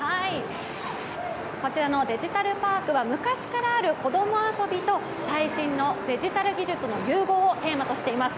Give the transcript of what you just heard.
こちらのデジタルパークは昔からある子供遊びと最新のデジタル技術の融合をテーマとしています。